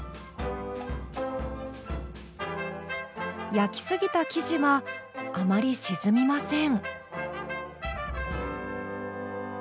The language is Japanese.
焼きすぎた生地はあまり沈みません。